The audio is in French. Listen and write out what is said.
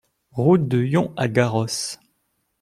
Route de Yon à Garrosse